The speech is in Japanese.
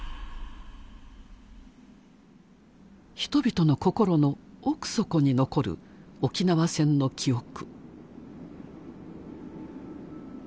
人々の心の奥底に残る沖縄戦の記憶。